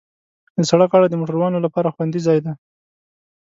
د سړک غاړه د موټروانو لپاره خوندي ځای دی.